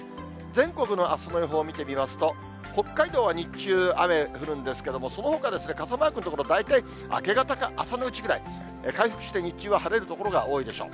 全国のあすの予報を見てみますと、北海道は日中、雨降るんですけれども、そのほか、傘マークの所、大体明け方から朝のうちぐらい、回復して日中は晴れる所が多いでしょう。